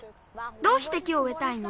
どうして木をうえたいの？